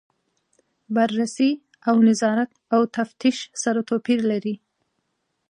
بررسي او نظارت او تفتیش سره توپیر لري.